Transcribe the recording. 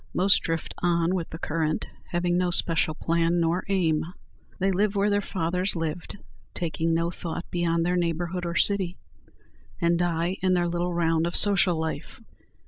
Most drift on with the current, having no special plan nor aim. They live where their fathers lived, taking no thought beyond their neighborhood or city, and die in their little round of social life.